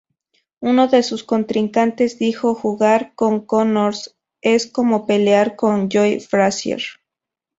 Uno de sus contrincantes dijo: “Jugar con Connors es como pelear con Joe Frazier.